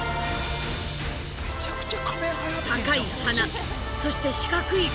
高い鼻そして四角い顔。